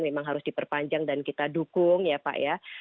memang harus diperpanjang dan kita dukung ya pak ya